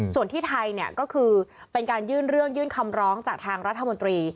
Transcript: ส่วนที่ไทยเนี่ยก็คือเป็นการยื่นเรื่องยื่นคำร้องจากทางรัฐมนตรี